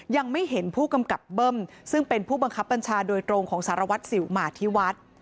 ยังไม่เห็นผู้กำกับเบิ้มซึ่งเป็นผู้บังคับบัญชาโดยตรงของสารวัตรสิวมาที่วัด